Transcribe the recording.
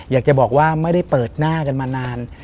อยากจะบอกว่าไม่ได้เปิดหน้ากันมานาน